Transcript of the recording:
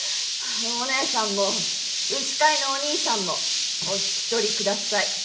お姉さんも牛飼いのお兄さんもお引き取りください。